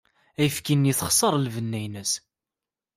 Ayefki-nni texṣer lbenna-ines.